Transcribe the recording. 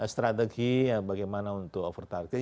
strategi bagaimana untuk over target